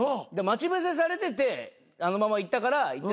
で待ち伏せされててあのまま行ったから。